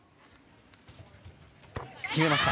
決めました。